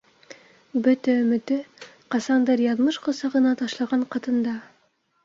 Бөтә өмөтө - ҡасандыр яҙмыш ҡосағына ташлаған ҡатында.